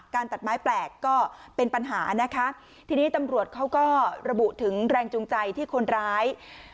ตัดไม้แปลกก็เป็นปัญหานะคะทีนี้ตำรวจเขาก็ระบุถึงแรงจูงใจที่คนร้าย